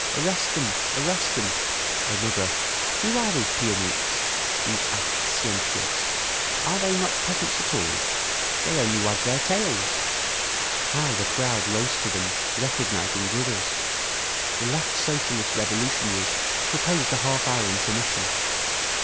Arrest them! Arrest them!" Another, "Who are these Pianikhs, these Avksentievs? They are not peasants at all! They only wag their tails!" How the crowd rose to them, recognising brothers! The Left Socialist Revolutionaries proposed a half hour intermission.